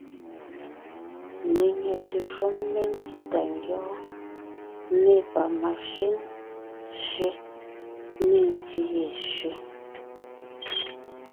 Lenyɛte shúm mentí tà ngyɔ́ɔn, nê pamashʉ́ŋ sẅé, nê ntí ye sẅé,